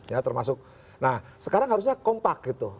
nah sekarang harusnya kompak